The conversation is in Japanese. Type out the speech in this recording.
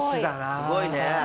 すごいね。